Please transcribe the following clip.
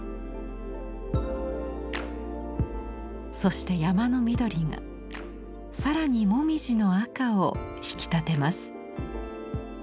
そして山の緑が更に紅葉の赤を引き立てます。